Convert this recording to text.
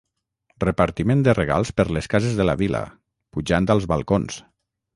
Repartiment de regals per les cases de la vila, pujant als balcons.